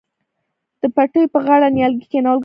د پټیو پر غاړه نیالګي کینول ګټور دي.